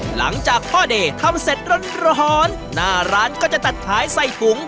หลังจากพ่อเดย์ทำเสร็จร้อนหน้าร้านก็จะตัดขายใส่ถุง